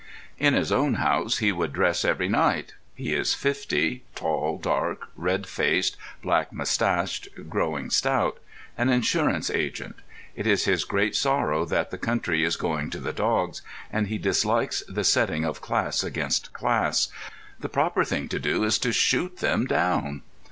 In his own house he would dress every night. He is fifty; tall, dark, red faced, black moustached, growing stout; an insurance agent. It is his great sorrow that the country is going to the dogs, and he dislikes the setting of class against class. The proper thing to do is to shoot them down.